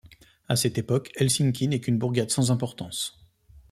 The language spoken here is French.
À cette époque Helsinki n'est qu'une bourgade sans importance.